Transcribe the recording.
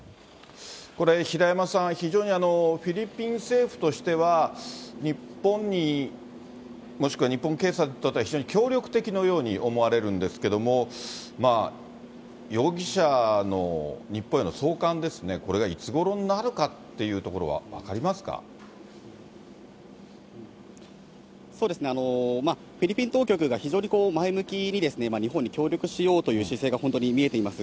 これ、平山さん、非常にフィリピン政府としては、日本に、もしくは日本警察に非常に協力的のように思われるんですけれども、容疑者の日本への送還ですね、これがいつごろになるかっていうとそうですね、フィリピン当局が非常に前向きに日本に協力しようという姿勢が本当に見えています。